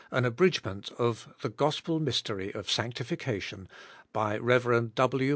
An Abridgment of the Gospel Mystery of Sanctiflcation, by Rev. W.